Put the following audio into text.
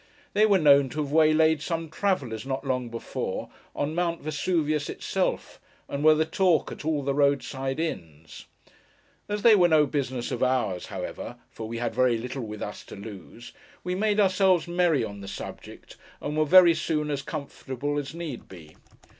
They were known to have waylaid some travellers not long before, on Mount Vesuvius itself, and were the talk at all the roadside inns. As they were no business of ours, however (for we had very little with us to lose), we made ourselves merry on the subject, and were very soon as comfortable as need be.